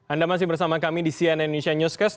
anda masih bersama kami di cnn indonesia newscast